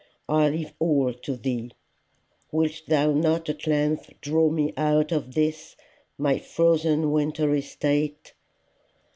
I leave all to thee. Wilt thou not at length draw me out of this my frozen wintery state?